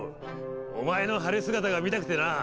お前の晴れ姿が見たくてなぁ。